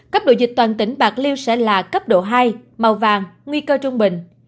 cấp độ dịch toàn tỉnh bạc liêu sẽ là cấp độ hai màu vàng nguy cơ trung bình